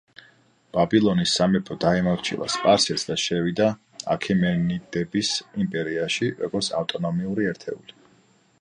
ბაბილონის სამეფო დაემორჩილა სპარსეთს და შევიდა აქემენიდების იმპერიაში, როგორც ავტონომიური ერთეული.